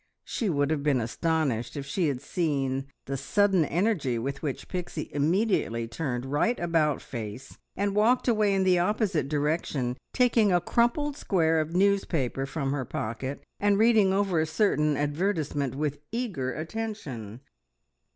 She would have been astonished if she had seen the sudden energy with which Pixie immediately turned right about face and walked away in the opposite direction, taking a crumpled square of newspaper from her pocket, and reading over a certain advertisement with eager attention.